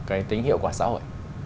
cái tính hiệu quả xã hội